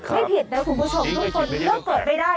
ไม่ผิดนะคุณผู้ชมทุกคนเมื่อเกิดไม่ได้